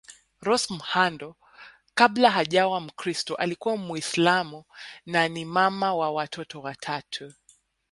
Rose Muhando kabla hajawa mkristo alikuwa Muislam na ni mama wa watoto watatu